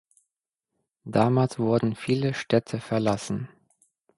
Damals wurden viele Städte verlassen.